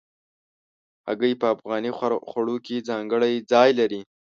هګۍ په افغاني خوړو کې ځانګړی ځای لري.